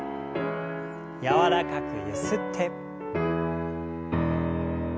柔らかくゆすって。